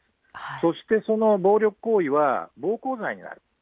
そして、その暴力行為は暴行罪になる。